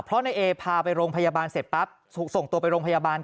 เพราะนายเอพาไปโรงพยาบาลเสร็จปั๊บถูกส่งตัวไปโรงพยาบาล